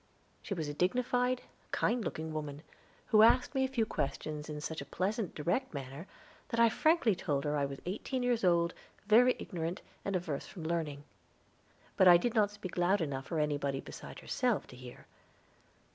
She was a dignified, kind looking woman, who asked me a few questions in such a pleasant, direct manner that I frankly told her I was eighteen years old, very ignorant, and averse from learning; but I did not speak loud enough for anybody beside herself to hear.